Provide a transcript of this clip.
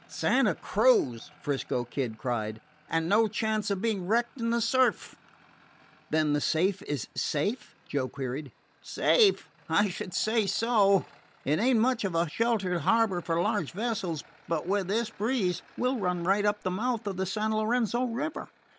"Santa Cruz!" 'Frisco Kid cried, "and no chance of being wrecked in the surf!" "Then the safe is safe?" Joe queried. "Safe! I should say so. It ain't much of a sheltered harbor for large vessels, but with this breeze we 'll run right up the mouth of the San Lorenzo River.